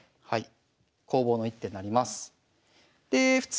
はい。